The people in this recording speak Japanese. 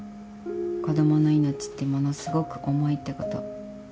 子供の命ってものすごく重いってこと。